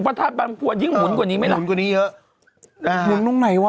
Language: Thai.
ประธานปราณควรยิ่งหมุนกว่านี้ไหมล่ะหมุนกว่านี้เยอะนะฮะหมุนตรงไหนวะ